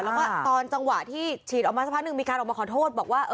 แล้วก็ตอนจังหวะที่ฉีดออกมาสักพักหนึ่งมีการออกมาขอโทษบอกว่า